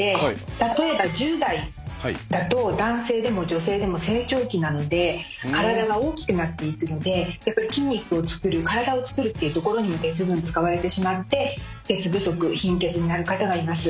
例えば１０代だと男性でも女性でも成長期なので体が大きくなっていくのでやっぱり筋肉を作る体を作るっていうところにも鉄分使われてしまって鉄不足貧血になる方がいます。